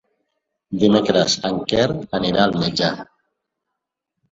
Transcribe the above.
Dimecres en Quer anirà al metge.